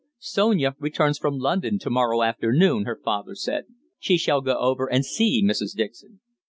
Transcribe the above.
"Sonia returns from London to morrow afternoon," her father said. "She shall go over and see Mrs. Dixon."